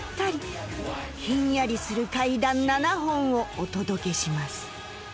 ひんやりする怪談７本をお届けします